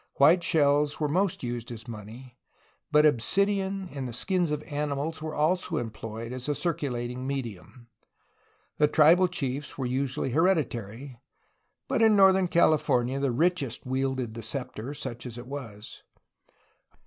White shells were most used as money, but obsidian and the skins of animals were also employed as a circulating medium. The tribal chiefs were usually hereditary, but in northern California the richest wielded the sceptre, such as it was.